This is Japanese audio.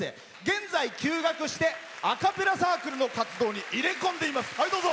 現在、休学してアカペラサークルの活動に入れ込んでいます。